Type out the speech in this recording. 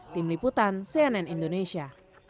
tim liputan cnn indonesia